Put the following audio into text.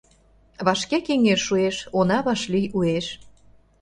Вашке кеҥеж шуэш — она вашлий уэш...